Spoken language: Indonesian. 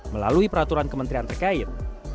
melalui perusahaan kendaraan listrik